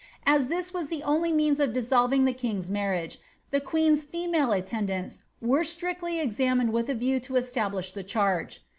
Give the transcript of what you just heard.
As this was the only means of dissolving tlie king's marriage, the queen's female attendants were strictly examined with a view to establish the charge.